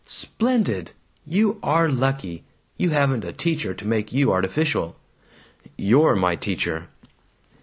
"Splendid! You are lucky. You haven't a teacher to make you artificial." "You're my teacher!"